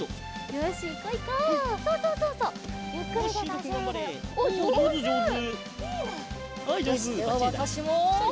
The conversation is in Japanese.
よしではわたしも。